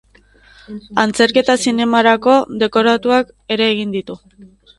Antzerki eta zinemarako dekoratuak ere egin ditu.